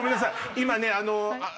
今ね。